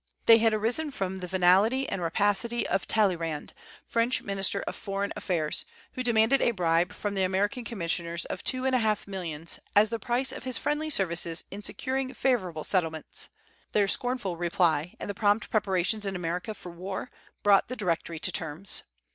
They had arisen from the venality and rapacity of Talleyrand, French minister of Foreign affairs, who demanded a bribe from the American commissioners of two and a half millions as the price of his friendly services in securing favorable settlements. Their scornful reply, and the prompt preparations in America for war, brought the Directory to terms.